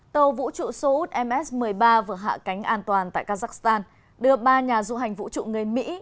tàu vũ trụ seoul ms một mươi ba vừa hạ cánh an toàn tại kazakhstan đưa ba nhà du hành vũ trụ người mỹ